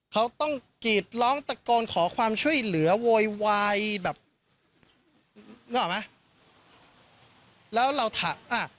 เขาต้องกีดร้องตะโกนขอความช่วยเหลือโวยวายแบบนึกออกไหม